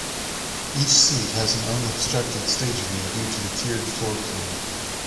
Each seat has an unobstructed stage view due to the tiered floor plan.